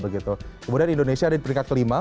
kemudian indonesia ada di peringkat kelima